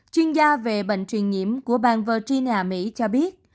chuyên gia về bệnh truyền nhiễm của bang vergina mỹ cho biết